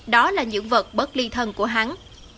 đó là những vật bất ly thân của hắn